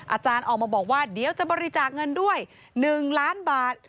อาจารย์ออกมาบอกว่าเดี๋ยวจะบริจาคเงินด้วย๑ล้านบาท